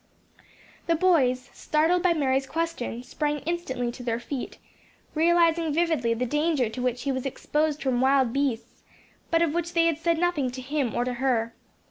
The boys, startled by Mary's question, sprang instantly to their feet, realizing vividly the danger to which he was exposed from wild beasts, but of which they had said nothing to him or to her.